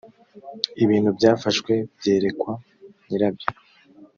ibintu byafashwe byerekwa nyirabyo.